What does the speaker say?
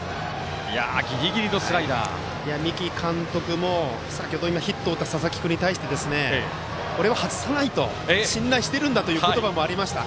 三木監督も、先ほどヒットを打った佐々木君に対してこれは外さないと信頼してるんだという言葉もありました。